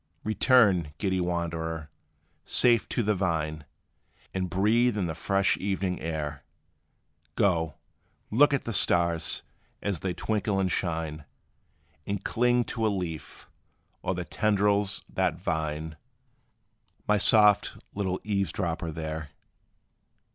Return, giddy wanderer, safe to the vine; And breathe in the fresh evening air; Go, look at the stars, as they twinkle and shine; And cling to a leaf, or the tendrils that twine, My soft little eavesdropper, there!